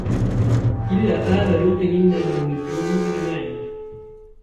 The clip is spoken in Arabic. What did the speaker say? إِلَّا آلَ لُوطٍ إِنَّا لَمُنَجُّوهُمْ أَجْمَعِينَ